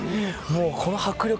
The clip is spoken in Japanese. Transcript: この迫力。